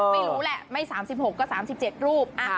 นอกผิดไม่รู้แหละไม่๓๖ก็๓๗รูป